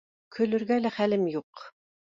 Көлөргә лә хәлем юҡ